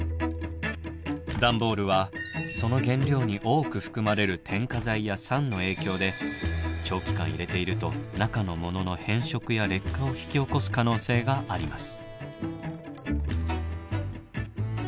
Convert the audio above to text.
段ボールはその原料に多く含まれる添加剤や酸の影響で長期間入れていると中のものの変色や劣化を引き起こす可能性があります。